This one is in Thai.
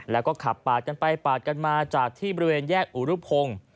แล้วก็ขับปาดกันไปปาดกันมาจากที่บริเวณแยกอุรุพงศ์